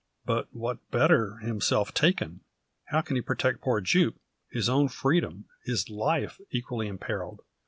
But what better himself taken? How can he protect poor Jupe, his own freedom his life equally imperilled?